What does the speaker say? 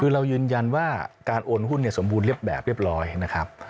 คือเรายืนยันว่าการโอนหุ้นสมบูรณเรียบแบบเรียบร้อยนะครับ